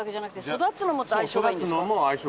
育つのも相性がいいんですよ。